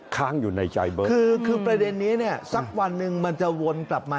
ค้างอยู่ในใจเบิร์ตคือคือประเด็นนี้เนี่ยสักวันหนึ่งมันจะวนกลับมา